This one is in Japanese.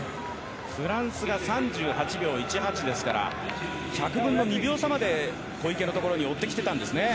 フランスが３８秒１８位ですから１００分の２秒差まで小池の所に追ってきてたんですね。